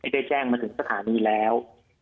ได้แจ้งมาถึงสถานีแล้ว